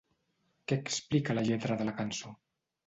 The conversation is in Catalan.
Què explica la lletra de la cançó?